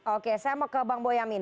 oke saya mau ke bang boyamin